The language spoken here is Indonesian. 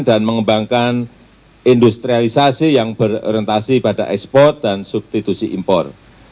dan mengembangkan industrialisasi yang berorientasi pada ekspor dan substitusi impor